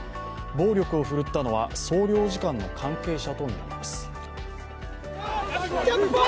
暴力を振るったのは総領事館の関係者とみられます。